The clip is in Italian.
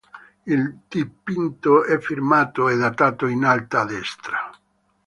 Il dipinto è firmato e datato in alto a destra.